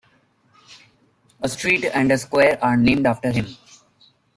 A street and a square are named after him.